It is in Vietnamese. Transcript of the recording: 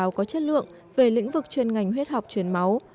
và báo cáo có chất lượng về lĩnh vực chuyên ngành huyết học chuyển máu